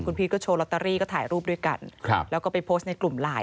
พีชก็โชว์ลอตเตอรี่ก็ถ่ายรูปด้วยกันแล้วก็ไปโพสต์ในกลุ่มไลน์